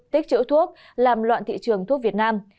tích chữ thuốc làm loạn thị trường thuốc việt nam